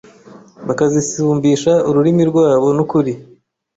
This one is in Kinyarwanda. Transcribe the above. bakazisumbisha ururimi urwabo nukuri